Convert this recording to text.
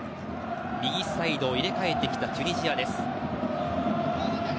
右サイドを入れ替えてきたチュニジア。